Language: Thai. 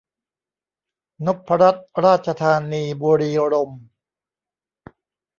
นพรัตน์ราชธานี บุรีรมย์